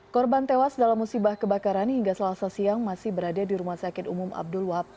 korban tewas dalam musibah kebakaran hingga selasa siang masih berada di rumah sakit umum abdul wab